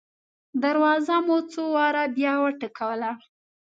دروازه مو څو واره بیا وټکوله.